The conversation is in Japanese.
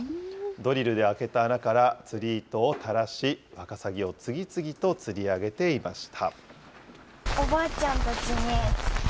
ドリルで開けた穴から釣り糸を垂らし、ワカサギを次々と釣り上げていました。